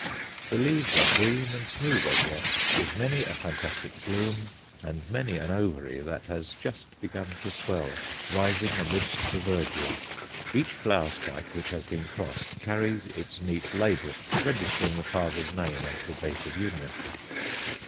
The leaves are green and smooth as yet, with many a fantastic bloom, and many an ovary that has just begun to swell, rising amidst the verdure. Each flower spike which has been crossed carries its neat label, registering the father's name and the date of union.